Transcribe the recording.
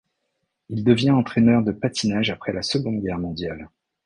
Il devient entraîneur de patinage après la Seconde Guerre mondiale.